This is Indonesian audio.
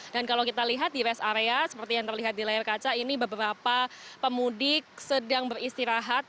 dan kalau kita lihat di rest area seperti yang terlihat di layar kaca ini beberapa pemudik sedang beristirahat